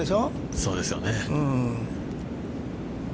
◆そうですよね。